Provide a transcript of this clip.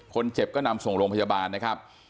คนเจ็บก็นำส่งโรงพยาบาลนะครับ